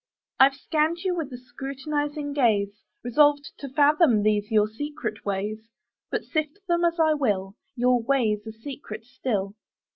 I've scanned you with a scrutinizing gaze, Resolved to fathom these your secret ways: But, sift them as I will, Your ways are secret still.